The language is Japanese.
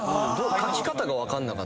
描き方が分かんなかった。